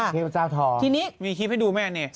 เทพเจ้าทอมีคลิปให้ดูไหมอันนี้